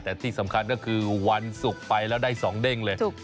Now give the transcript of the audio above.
แต่ที่สำคัญก็คือวันศุกร์ไปแล้วได้๒เด้งเลย